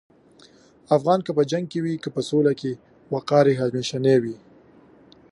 افغان که په جنګ کې وي که په سولې کې، وقار یې همیشنی وي.